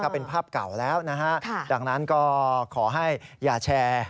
เป็นภาพเก่าแล้วนะฮะดังนั้นก็ขอให้อย่าแชร์